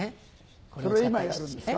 今やるんですか？